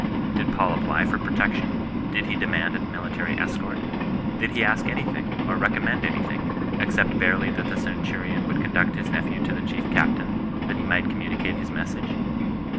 Did Paul apply for protection ? Did he de mand a military escort ? Did he ask anything, or recom mend anything, except barely that the centurion would conduct his nephew to the chief captain, that he might communicate his message?